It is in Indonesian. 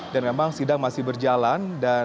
dan memang sidang masih berjalan